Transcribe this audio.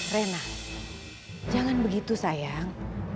reina jangan begitu sayang